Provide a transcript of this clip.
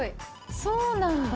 そうなんだ。